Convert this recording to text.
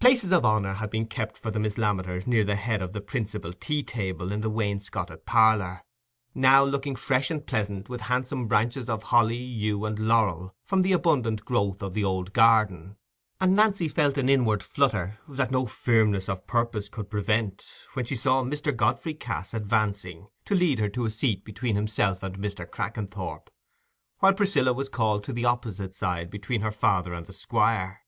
Places of honour had been kept for the Miss Lammeters near the head of the principal tea table in the wainscoted parlour, now looking fresh and pleasant with handsome branches of holly, yew, and laurel, from the abundant growths of the old garden; and Nancy felt an inward flutter, that no firmness of purpose could prevent, when she saw Mr. Godfrey Cass advancing to lead her to a seat between himself and Mr. Crackenthorp, while Priscilla was called to the opposite side between her father and the Squire.